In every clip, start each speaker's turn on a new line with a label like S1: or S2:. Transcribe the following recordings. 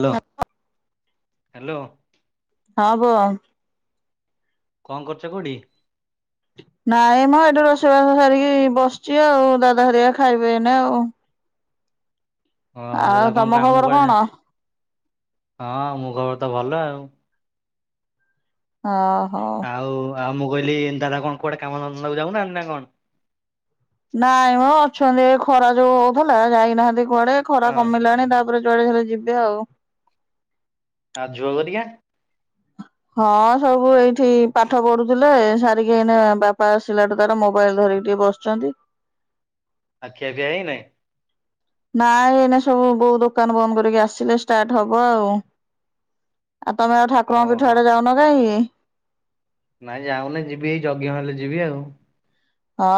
S1: Hello hello.
S2: ହଁ ପୁଅ।
S1: କଣ କରୁଛ କୋଉଠି?
S2: ନାଇଁ ମ ଏଇଠୁ ରୋଷେଇବାସ ସାରିକି ବସିଛି ଆଉ ଦାଦା ହରିଆ ଖାଇବେ ଏଇନା ଆଉ।
S1: ହଁ
S2: ଆଉ
S1: ଦାଦା କଣ
S2: ତମ
S1: କାମ
S2: ଖବର
S1: କୁଆଡେ
S2: କଣ?
S1: ହଁ ମୋ ଖବର ତ ଭଲ ଆଉ।
S2: ହଁ।
S1: ଆଉ ଆଉ ମୁଁ କହିଲି ଦାଦା କଣ କୁଆଡେ କାମ ଧନ୍ଦାକୁ ଯାଉ ନାହାନ୍ତି ନା କଣ।
S2: ନାଇଁ ମ ଅଛନ୍ତି ଏ ଖରା ଯୋଉ ହଉଥିଲା ଯାଇନାହାନ୍ତି କୁଆଡେ ଖରା
S1: ହଁ
S2: କମିଲାଣି ତା ପରେ ଯୁଆଡ଼େ ଧର ଯିବେ ଆଉ।
S1: ଆଉ ଝୁଅ ଘରିକା।
S2: ହଁ ସବୁ ଏଇଠି ପାଠ ପଢୁଥିଲେ ସାରିକି ଏଇନା ବାପା ଆସିଲାଠୁ ତାର ମୋବାଇଲ ଧ ଏଇଠି ବସିଛନ୍ତି।
S1: ଆଉ ଖିଆ ପିଆ ହେଇ ନାହିଁ।
S2: ନାଇ ଏଇନା ସବୁ ବୋଉ ଦୋକାନ ବନ୍ଦ କରିକି ଆସିଲେ ଷ୍ଟାର୍ଟ ହବ ଆଉ। ଆଉ ତମେ ଆଉ ଠାକୁରଙ୍କ ପୀଠ
S1: ଓହୋ
S2: ଆଡେ ଯାଉନ କାହିଁକି?
S1: ନାଇଁ ଯାଉନି ଯିବି ଏଇ ଯଜ୍ଞ ହେଲେ ଯିବି ଆଉ।
S2: ହଁ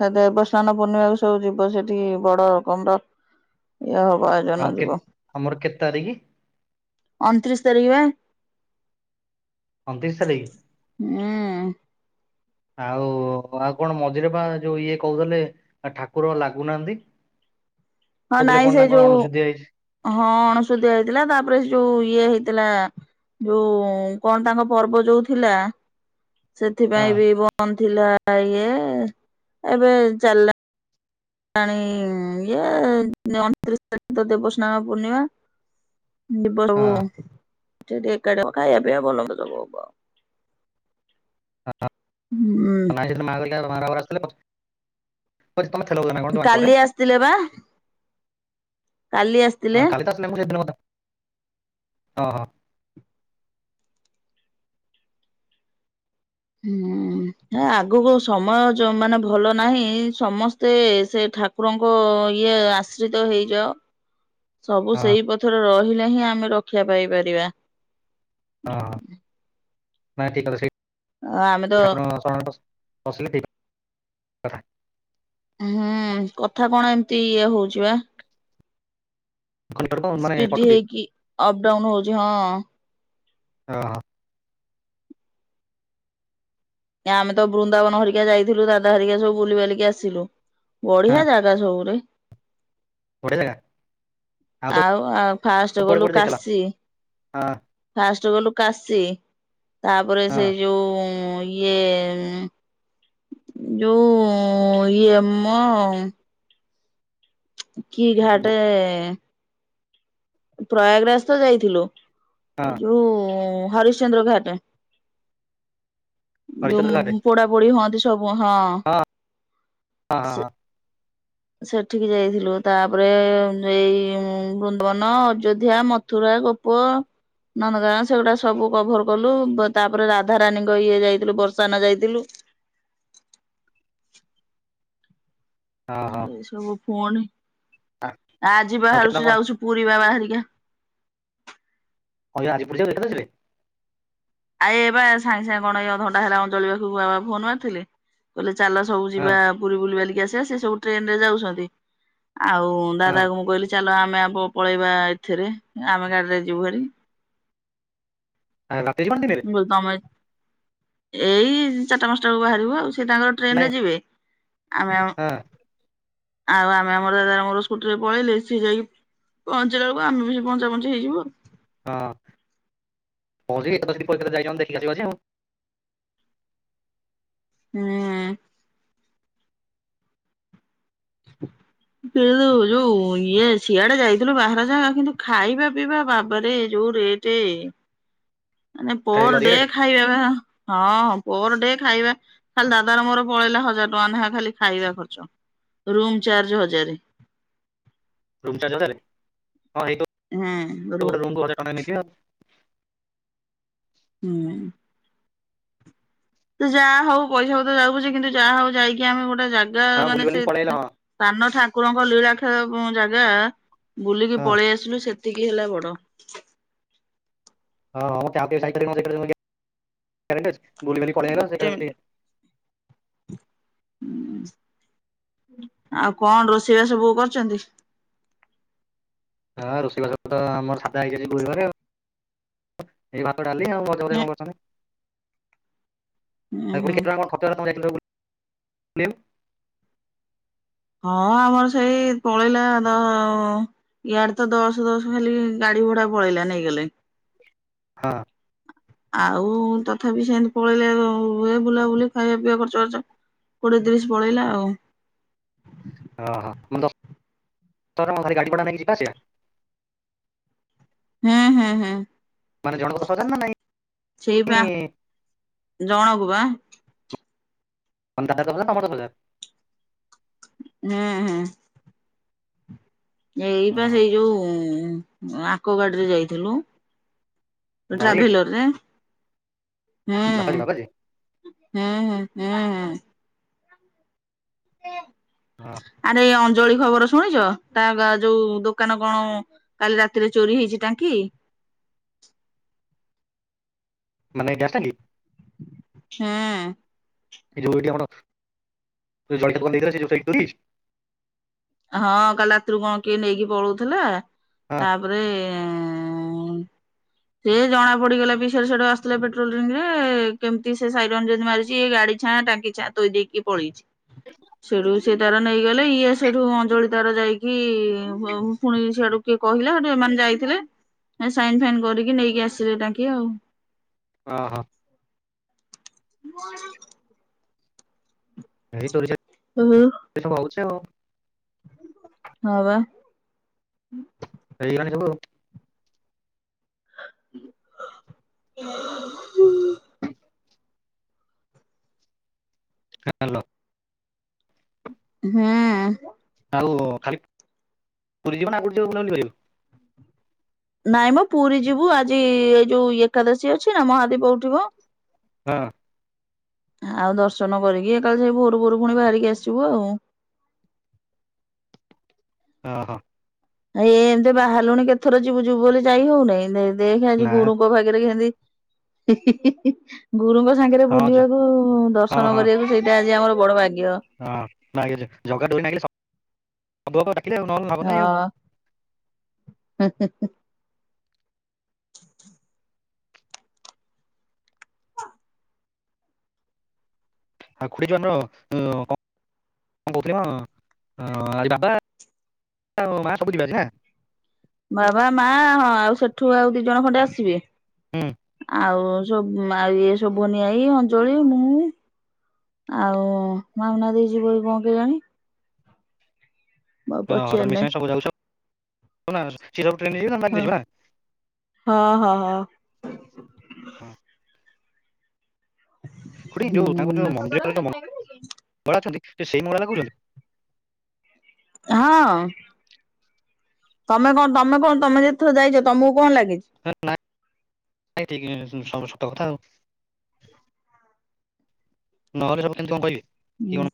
S2: ସେ ଦେବସ୍ନାନ ପୂର୍ଣ୍ଣିମାକୁ ସବୁ ଯିବ ସେଠି ବଡ ରକମର। ଇଏ ହବ
S1: ଆଉ
S2: ଆୟୋଜନ
S1: କେ
S2: ଯିବ।
S1: ଆମର କେତେ ତାରିଖ
S2: ଅଣତିରିଶ ତାରିଖ ବା।
S1: ଅଣତିରିଶ ତାରିଖ।
S2: ହୁଁ।
S1: ଆଉ ଆଉ କଣ ମଝିରେ ପା ଯୋଉ ଇଏ କହୁଥିଲେ ଆ ଠାକୁର ଲାଗୁନାହାନ୍ତି।
S2: ହଁ
S1: କହୁଥିଲେ
S2: ନାଇଁ
S1: କଣ
S2: ସେ
S1: ତାଙ୍କର
S2: ଯୋଉ
S1: ଅଣସୁଧିଆ ହେଇଛି
S2: ହଁ ଅଣସୁଧିଆ ହେଇଥିଲା ତାପରେ ସେ ଯୋଉ ଇଏ ହେଇ ଥିଲା ଯୋଉ କଣ ତାଙ୍କ ପର୍ବ ଯୋଉ ଥିଲା।
S1: ହଁ
S2: ସେଥିପାଇଁ ବି ବନ୍ଦ ଥିଲା ଇଏ ଏବେ ଚାଲିଲା। ଣି ଇଏ ଅଣତିରିଶ ତାରିଖ ତ ଦେବସ୍ନାନ ପୂର୍ଣ୍ଣିମା। ଡିବ ସବୁ।
S1: ହଁ।
S2: ଯଦି ଏକାଟିଆ କ ଖାଇବା ପିଆ ଭଲ ମନ୍ଦ ସବୁ ହବ। ହୁଁ।
S1: [unintelligible] ତମ ଆଡ଼େ ଆଗରୁ ଆସିଥିଲେ ପ ପଛେ ତମେ ଥିଲ ବଧେ ନା କଣ ଯଉ ଆଙ୍କ ଘରେ।
S2: କାଲି ଆସିଥିଲେ ବା କାଲି
S1: ହଁ
S2: ଆସିଥିଲେ।
S1: କାଲି ତ ଆସିଥିଲେ ମୁଁ ସେ ଦିନ କଥା। ଓହୋ।
S2: ହୁଁ। ହେଁ ଆଗକୁ ସମୟ ଜମାନା ଭଲ ନାହିଁ ସମସ୍ତେ ସେ ଠାକୁରଙ୍କ। ଇଏ ଆଶ୍ରିତ ହେଇଯାଅ। ସବୁ
S1: ହଁ
S2: ସେଇ ପଥରେ ରହିଲେ ହିଁ ଆମେ ରକ୍ଷା ପାଇପାରିବା।
S1: ହଁ ନାଇଁ ଠିକ କଥା ସେଇ
S2: ଆ ଆମେ ତ
S1: ଠାକୁରଙ୍କ ଶରଣ ରେ ପଶ ପସିଲେ ଠିକ୍ କଥା।
S2: ହୁଁ, କଥା କଣ ଏମତି ଇଏ ହଉଛି ବା।
S1: କଲିକଟ ମାନେ
S2: ସ୍ପିଡି
S1: କଟୁଛି
S2: ହେଇକି ଅପ ଡାଉନ ହଉଛି ହଁ।
S1: ଓହୋ।
S2: ଆମେ ତ ବୃନ୍ଦାବନ ହରିକା ଯାଇଥିଲୁ ଦାଦା ହରିକା ସବୁ ବୁଲି ବାଲିକି ଆସିଲୁ। ବଢିଆ ଜାଗା ସବୁରେ।
S1: ବଢ଼ିଆଜାଗା।
S2: ଆଉ ଆ ଫାଷ୍ଟ ଗଲୁ
S1: ଯାଇଥିଲ?
S2: କାଶୀ।
S1: ହଁ
S2: ଫାଷ୍ଟ ଗଲୁ କାଶି ତାପରେ,
S1: ହଁ
S2: ସେଇ ଯୋଉ ଇଏ ଯୋଉ ଇଏମ କି ଘାଟେ ପ୍ରୟାଗରାଜ ତ ଯାଇଥିଲୁ।
S1: ହଁ
S2: ଯୋଉ ହରିଶ୍ଚନ୍ଦ୍ର ଘାଟ
S1: ହରିଚନ୍ଦ୍ର ଘାଟ
S2: ଯୋଉ ପୋଡା ପୋଡି ହୁଅନ୍ତି ଓହଁ
S1: ହଁ ହଁ ହଁ
S2: ସେ ସେଠିକି ଯାଇଥିଲୁ। ତାପରେ, ଏଇ ବୃନ୍ଦବନ, ଅଯୋଧ୍ୟା, ମଥୁରା ଗୋପ ନନ୍ଦଗା ସେଗୁଡା ସବୁ କଭର କଲୁ ତାପରେ ରାଧାରାଣୀଙ୍କ ଇଏ ଯାଇଥିଲୁ, ବର୍ଷାନ ଯାଇଥିଲୁ।
S1: ହଁ ହଁ ହଁ।
S2: ଏଇ ସବୁ ପୁଣି,
S1: ଆ-
S2: ଆଜି
S1: ଆଉ କେତେ ଟଙ୍କା
S2: ବାହାରୁଛୁ
S1: କଣ
S2: ଯାଉଛୁ ପୁରୀ ବା ବାହାରି ଆଜ୍ଞା।
S1: ହ ଆଜିପୁର ଯ କେତେ ଆସବେ?
S2: ଆଇ ଏ ବା ସାଙ୍ଗେ ସାଙ୍ଗେ କଣ ଏ ଅଧଣ୍ଟା ହେଲା ଅଞ୍ଜଳି ପାଖକୁ ବାବା ଫୋନ ମାରିଥିଲି କହିଲେ ଚାଲ ସବୁ
S1: ହଁ
S2: ଯିବା ପୁରୀ ବୁଲିିବାଲିକି ଆସିବା ସେ ସବୁ ଟ୍ରେନ ରେ ଯାଉଛନ୍ତି ଆଉ
S1: ହଁ
S2: ଦାଦା କୁ ମୁଁ କହିଲି ଚାଲ ଆମେ ଆ ପଳେଇବା, ଏଥିରେ ଆମେ ଗାଡିରେ ଯିବୁ ହେରି
S1: ଆ ରାତି ବାନ୍ତି ନେଲେ
S2: ମୁଁ କହିଲି ତମେ ଏଇ ଚାରିଟା ପାଞ୍ଚଟା ବେଳକୁ ବାହାରିବୁ ଆଉ ସେ ତାଙ୍କର
S1: ନାଇଁ
S2: ଟ୍ରେନ ରେ ଯିବେ ଆମେ ଆଉ
S1: ହଁ
S2: ଆଉ ଆମେ ଆମର ଦାଦାର ମୋର ସ୍କୁଟିରେ ପଳେଇଲେ ସିଏ ଯାଇକି ପହଞ୍ଚିଲା ବଳକୁ ଆମେ ବି ସେ ପହଞ୍ଚା ପହଞ୍ଚି ହେଇଯିବୁ ଆଉ
S1: ହଁ [unintelligible]
S2: ହୁଁ। କିଉ ଯୋଉ ଇଏ ସିଆଡେ ଯାଇଥିଲୁ ବାହାର ଯାଗା କିନ୍ତୁ ଖାଇବା ପିଇବା ବାବାରେ ଯୋଉ ଇ ଏ ଟେ ମାନେ
S1: ଖାଇବାକୁ
S2: ପୋର ଡେ
S1: ଅଧିକା ରେଟ୍
S2: ଖାଇବା ପା ହଁ ପର ଡେ ଖାଇବା ଖାଲି ଦାଦାର ମୋର ପଳେଇଲା ହଜାର ଟଙ୍କା ଖାଲି ଖାଇବା ଖର୍ଚ୍ଚ ରୁମ ଚାର୍ଜ ହଯାରେ ହଁ ରୁ
S1: [unintelligible]
S2: ହୁଁ। ସେ, ଯାହା ହଉ ପଇସା ପତର ଯାଉୁ ପଛେ କିନ୍ତୁ, ଯାହା ହଉ ଯାଇକି ଆମେ ଗୋଟେ ଜା ଗା
S1: ଆଉ ହଁ
S2: ମାନେ ସେ,
S1: ବୁଲିବାଲିକି ପଳେଇ ଆଇଲ ହଁ
S2: ସାନ ଠାକୁରଙ୍କ ଲୀଳା ଖଳ ଜାଗା ବୁଲିକି
S1: ହଁ
S2: ପଳେଇ ଆସିଲୁ। ସେତିକି ହେଲା ବଡ।
S1: ହଁ
S2: ଗୋଟେ
S1: [unintelligible]
S2: ହଁ, ଆଉ କଣ ରୋଷେଇ ବାସ ସବୁ କରିଛନ୍ତି?
S1: ହଁ, ରୋଷେଇବାସ ତ ଆମର ସାଧା ହେଇଛି। ଆଜି ଗୁରୁବାରେ ଏଇ ଭା ଡାଲି ଆଉ ଭଜା ଭାଜି କଣ କରଛନ୍ତି।
S2: ହୁଁ
S1: ଆଉ ପୁରୀ
S2: ହୁଁ
S1: ଖାଇ ଥିଲ ନା କଁ ଛତୁଆ [unintelligible]
S2: ହଁ ଆମର ସେଇ ପଳେଇଲା ଦ ଇଆଡେ ତ ଦଶ ଦଶ ଖାଲି ଗା ଭଡା ପଳେଇଲା ନେଇଗଲେ
S1: ହଁ।
S2: ଆଉ ତଥାପି ସେମିତି ପଳେଇଲେ ବୁଲାବୁଲି ଖାଇବା ପିଇବା ଖର୍ଚ୍ଚ ଆର୍ଚ୍ଚ କୋଡିଏ ତିରିଶ ପଳେଇଲା ଆଉ।
S1: ଅହ ମାନେ ଦଶ [inaudible] ଗାଡି ପଡା ନେଇକି ଯିବା ଆସିବା?
S2: ହୁଁ ହୁଁ
S1: ମାନେ ଜଣଙ୍କ
S2: ହୁଁ।
S1: ଦଶ ହଜାର ନା ନାଇଁ
S2: ସେଇପା ଜଣକୁ ବା।
S1: [unintelligible] ତମ ଦଶ ହଜାର।
S2: ଉୁଁ ହୁଁ। ଏଇପା
S1: ହଁ
S2: ସେଇ ଯୋଉ ଆଙ୍କ ଗାଡିରେ ଯାଇଥିଲୁ।
S1: ବାବାଜୀ ଏଠି
S2: ଟ୍ରାଭେଲରରେ।
S1: ବାବାଜୀ ବାବାଜୀ
S2: ହୁଁ ଉହୁଁ ଉହୁଁ।
S1: ହଁ
S2: ଆରେ ଏ ଅଞ୍ଜଳି ଖବର ଶୁ ଶୁଣିଚ଼, ତା ଗା ଯୋଉ ଦୋକାନ କଣ କାଲି ରାତିରେ ଚୋରି ହେଇଛି ଟାଙ୍କି।
S1: [inaudible] ମାନେ ଗ୍ୟାସ୍ ଟାଙ୍କି?
S2: ହୁଁ।
S1: ଏ ଯୋଉ ଏଠି ଆମଡ଼ ଜଳଖିଆ ଦୋକାନ ଦେଇଥିଲା ସେଇ ଯୋଉ ସେଇଠି ଚୋରି ହେଇଚି?
S2: ହଁ କାଲି ରାତିରୁ କଁ କିଏ ନେଇକି ପଳଉଥିଲା
S1: ହଁ
S2: ତାପରେ
S1: [inaudible]
S2: ସେ ଜଣା ପଡିଗଲା ବି ସେ ସେଡ଼େ ସେଡ଼େ ଆସିଥୁଲେ ପେଟ୍ରୋଲିଂ ରେ କେମିତି ସେ ସାଇରନ୍ ଯଦି ମାରିଛି ଏ ଗାଡି କଛା ଟାଙ୍କି ଛା ତୋଇ ଦେଇକି ପଳେଇଚି, ସେଉଠୁ ସେ ତାର ନେଇଗଲେ ଇଏ ସେଉଠୁ ଅଞ୍ଜଳି ତାର ଯାଇକି [unintelligible] ପୁଣି ସିଆଡୁ କିଏ କହିଲା ସେଠୁ ଏମାନେ ଯାଇଥିଲେ ଏ ସାଇନ ଫାଇନ୍ କରିକି ନେଇକି ଆସିଲେ ଟାଙ୍କି ଆଉ।
S1: ହଁ ହଁ
S2: ମୋଡ଼।
S1: ଏଇ ଚୋରି
S2: ହୁଁ।
S1: ଚାରି ସବୁ ହଉଚ଼ି ଆଉ।
S2: ହଁ ବା।
S1: ଏଇଗାନି ସବୁ।
S2: [inaudible]
S1: ହାଲୋ।
S2: ହୁଁ।
S1: ଆଉ ଖାଲି ପୁରୀ ଯିବ ନା ଆଉ କୋଉଠି ଯିବ ବୁଲା ବୁଲି କରିଆକୁ।
S2: ନାଇଁ ମ ପୁରୀ ଯିବୁ ଆଜି ଏଇ ଯୋଉ ଏକାଦଶୀ ଅଛି ନା ମହାଦୀପ ଉଠିବ
S1: ହଁ।
S2: ଆଉ ଦର୍ଶନ କରିକି ଏକାଏଳେ ସେଇ ଭୋରୁ ଭୋରୁ ପୁଣି ବାହାରିକି ଆସିବୁ ଆଉ।
S1: ଅହ।
S2: ଏ ଏଇ ଏମତି ବାହାରିଲୁଣି କେତଥର ଯିବୁ ଯିବୁ ବୋଲି ଯାଇ ହଉନେଇ ଦେ ଦେଖେ ଆଜି
S1: ନା
S2: ଗୁଡୁଙ୍କ ଭାଗ୍ୟରେ କେନ୍ତି ହି ହି ହି ହି ଗୁରୁଙ୍କ ସାଙ୍ଗରେ
S1: ହଁ ଜ-
S2: ବୁଲିବାକୁ
S1: ହଁ
S2: ଦର୍ଶନ
S1: ହଁ
S2: କରିବାକୁ ସେଇଟା ଆଜି ଆମର ବଡ ଭାଗ୍ୟ।
S1: ହଁ ନାଇଁ ଜଗା ଡ଼ୋରି ନାଗିଲେ ସବୁ ହବ। ନାହିଁ ଆଉ।
S2: ହଁ ହି ହି ହି।
S1: ଆଉ ଖୁଡ଼ି ଯୋଉ ଆମର କଁ କଣ କହୁଥିଲି ମ ଆଜି ବାବା ଆଉ ମା ସବୁ ଯିବେ ଆଜି ନା?
S2: ବାବା ମା ହଁ ଆଉ ସେଠୁ ଆଉ ଦି ଜଣ ଖଣ୍ଡେ ଆସିବେ।
S1: ହୁଁ
S2: ଆଉ ସବ୍ ମା ଇଏ ସବୁ ବୁନି ଆଈ, ଅଞ୍ଜଳି, ମୁଁ ଆଉ ମଉନା ଦେଇ ଯିବ କି କଣ କେଜାଣି? ଆଉ
S1: ଅଁ
S2: ପଚାରି
S1: ରମେଶ
S2: ନାହିଁ
S1: ଭାଇ ସବୁ ଯାଉଛ ନା ସିଏ ସବୁ ଟ୍ରେନ୍ ରେ ଯିବେ ନା ବାଇକ୍ ରେ
S2: ହଁ
S1: ଯିବା?
S2: ହଁ ହଁ ହଁ।
S1: [inaudible] ଖୁଡ଼ି
S2: ହୁଁ।
S1: ଯୋଉ ତାଙ୍କ ଯୋଉ
S2: ହଁ
S1: ମନ୍ଦିରରେ ଯୋଉ ମଙ୍ଗଳା ଅଛନ୍ତି ସେ ସେଇ ମଙ୍ଗଳା ଲାଗୁଛନ୍ତି?
S2: ହଁ ତମେ କଣ ତମେ କଣ ତମେ ଯେତେଥର ଯାଇଚ ତମକୁ କଣ ଲାଗେ?
S1: ହେ ନାଇଁ ଠିକ୍ ସବୁ ସତକଥା ଆଉ। ନହେଲେ ସବୁ କେମତି କଣ କହିବେ? କି
S2: ହୁଁ।
S1: କଣ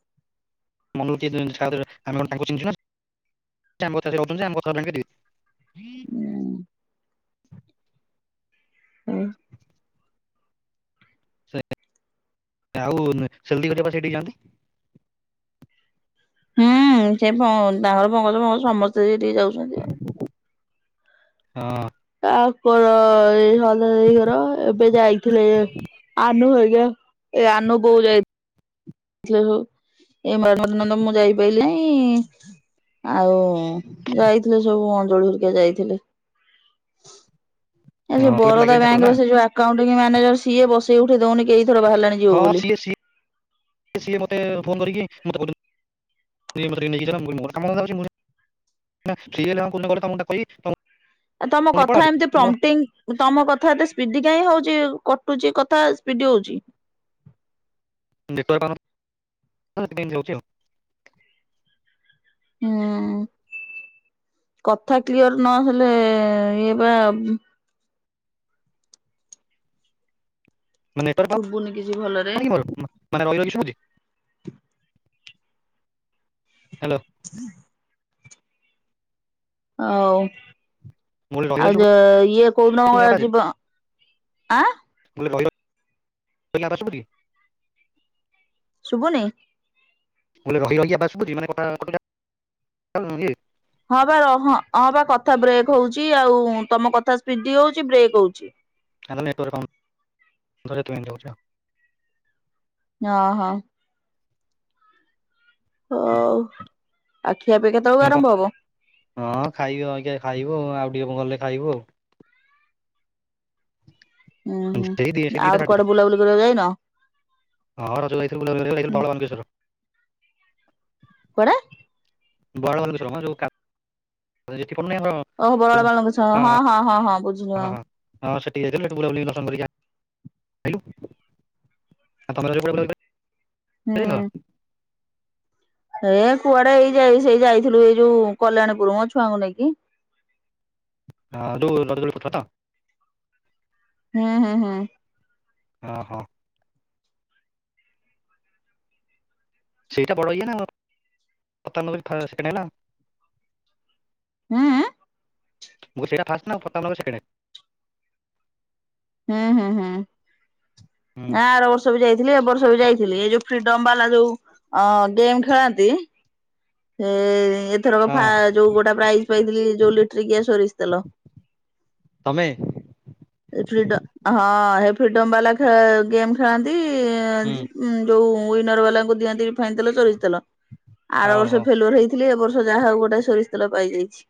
S1: ମନକୁ କିଏ ଛାଡ଼ିଦେବେ, ଆମେ କଣ ତାଙ୍କୁ ଚିହ୍ନିଚୁ ନା ସିଏ ଆମ କଥାରେ ରହୁଚନ୍ତି ଯେ, ଆମ କଥାରେ [unintelligible]
S2: ହୁଁ।
S1: ସେ ଆଉ ସେଲ ଦିଦି ହେରିକା ପା ସେଇଠିକି ଯାଆନ୍ତି।
S2: ହୁଁ ସେ ତାଙ୍କର ପଙ୍କଜ ଫଙ୍ଗଜ ସମସ୍ତେ ସେଟିକି ଯାଉଛନ୍ତି ଆଉ।
S1: ହଁ।
S2: ପର ଏଇଘର ଏବେ ଯାଇଥିଲେ ଆନୁ ହେଗ ଏ ଆନୁ ବହୁ ଯାଇ ଥିଲେ ସବୁ ଏ ମ୍ୟାଡମ [unintelligible] ମୁଁ ଯାଇପାରିଲି ନାହିଁ। ଆଉ ଯାଇଥିଲେ ସବୁ ଅନ୍ଜଳି ହେରିକି ଯାଇଥିଲେ।
S1: ହଁ ତୋତେ ବି
S2: ବରଦା
S1: ଲାଗିଲେଣି ଠାକୁର
S2: ବ୍ୟାଙ୍କ
S1: ନା?
S2: ର ସେ ଯୋଉ ଆକାଉଣ୍ଟିଂ ମାନେଜର ସିଏ ବସେଇ ଉଠେଇ ଦଉନି କେ
S1: ହଁ ସିଏ-ସିଏ-ସିଏ ମତେ ଫୋନ କରିକି ମତେ ନେଇ କହି [unintelligible]
S2: ଆ ତମ କଥା ଏମିତି ପ୍ରମ୍ଟିଙ୍ଗ ତମ କଥା ଏତେ ସ୍ପିଡି କାଁଇ ହଉଛି କଟୁଛି କଥା ସ୍ପିଡି ହଉଛି।
S1: ନେଟୱାର୍କ ପାଉନି ସେମିତି ହଉଛି ଆଉ।
S2: ହୁଁ। କଥା କ୍ଲିଅର ନହେଲେ ଇଏ ବା
S1: ମୋ ନେଟୱାର୍କ
S2: ଶୁଭୁନି କିଛି ଭଲରେ।
S1: ପାଉନି-ପାଉନିକି ମୋର ମାନେ ରହିରହିକି ଶୁଭୁଛି। ହ୍ୟାଲୋ
S2: ହ ହଉ।
S1: ମୁଁ କହିଲି ରହି
S2: ଆଉ
S1: ରହି
S2: ଯ ଇଏ କଉନ
S1: ଶୁଭୁଛି ଆବାଜ
S2: ଯିବ ଆଁ।
S1: [unintelligible]
S2: ଶୁଭନି?
S1: ମୁଁ କହିଲି ରହି ରହିକା ଶୁଭୁଛି ମାନେ କଥା କଟିଲା ଭଳିଆ ଇଏ।
S2: ହଁ ବା ହଁ ବା କଥା ବ୍ରେକ୍ ହଉଛି ଆଉ ତମ କଥା ସ୍ପିଡ ହଉଛି ବ୍ରେକ୍ ହଉଛି।
S1: ତାହେଲେ ନେଟୱାର୍କ ପାଉନି ସେଥିପାଇଁ ଏମିତି ହଉଛି।
S2: ହଁ-ହଁ। ହ ଉ।
S1: କଣ ହଁ ଖାଇବୁ ଅଇଖା ଖାଇବୁ ଆଉ ଟିକେ ଗଲେ ଖାଇବୁ ଆଉ। ଆଉ
S2: ହୁଁ-ହୁଁ
S1: ସେଇ ଦି ସେଇ ଦିଟା
S2: ଆଉ
S1: ସାଢେ ଦିଟା
S2: କୁଆଡେ ବୁଲାବୁଲି କରିବାକୁ ଯାଇନ?
S1: ହଁ ରଜରେ ଯାଇଥିଲୁ ବୁଲାବୁଲି କରିବାକୁ [unintelligible]
S2: କୁଆଡେ?
S1: ବଡ ମନ୍ଦିର ଯୋଉ ପଡୁନି ଆମର ହଁ
S2: ଓ ବର [unintelligible]
S1: ହଁ
S2: ହଁ-ହଁ-ହଁ-ହଁ ବୁଝିଲୁ ହଁ।
S1: ହଁ ସେଠିକି ଯାଇଥିଲୁ‌ ସେଠୁ ବୁଲାବୁଲି ଦର୍ଶନ କରିକି ଆଇଲୁ। ଆଉ ତମେ କୁଆଡେ ବୁଲାବୁଲି
S2: ହୁଁ।
S1: [unintelligible]
S2: ଏ କୁଆଡେ ଏଇ ଯାଇ ସେଇ ଯାଇଥିଲୁ ଏଇ ଯୋଉ କଲ୍ୟାଣୀପୁର ମୋ ଛୁଆଙ୍କୁ ନେଇକି।
S1: ହଁ ଯୋଉ ରଜ ଦୋଳି ପଡିଥିଲା ତ।
S2: ହୁଁ-ହୁଁ-ହୁଁ।
S1: ଅ ହୋ। ସେଇଟା ବଡ ଇଏ ନା ସତାନବେ ସେକଣ୍ଡ ହେଲା।
S2: ଆଁ-ଆଁ।
S1: ମୁଁ କହିଲି ସେଇଟା ଫାଷ୍ଟ ନା ସତାନବେ ସେକେଣ୍ଡ। ହୁଁ
S2: ହୁଁ-ହୁ‍ଁ-ହୁଁ ଆର ବର୍ଷ ବି ଯାଇ ଏବ ବର୍ଷ ବି ଯାଇଥିଲି ଏ ଯୋଉ ଫ୍ରିଡମ ବାଲା ଯୋଉ ଗେମ୍ ଖେଳନ୍ତି। [unintelligible] ଏଥରକ
S1: ହଁ
S2: ଯୋଉ ଗୋଟା ପ୍ରାଇଜ ପାଇଥିଲି ଯୋଉ ଲିଟ୍ରିକିଆ ସୋରିଷ ତେଲ।
S1: ତମେ
S2: ଫ୍ରିଡ଼ମ୍ ବାଲା ଗେମ୍ ଖେଳନ୍ତି
S1: ହୁଁ
S2: ଯୋଉ ୱରନର ବାଲାଙ୍କୁ ଦିଅନ୍ତି ରିଫାଇନ ତେଲ ସୋରିଷ ତେଲ ଆର
S1: ହଉ ହଉ।
S2: ବର୍ଷ ଫେଲ୍ବର ହେଇଥିଲି ଏ ବର୍ଷ ଯାହା ହଉ ଗୋଟାଏ ସୋରିଷ ତେଲ ପାଇଯାଇଛି।